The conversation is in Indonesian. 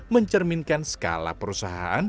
mencerminkan skala perusahaan